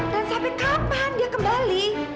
dan sampai kapan dia kembali